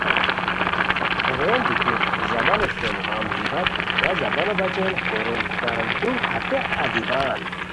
ہیغین دیتی زبانو سُم غم ژیباک وا زبانو بچین کوروم کاردو ہتے ادیبانان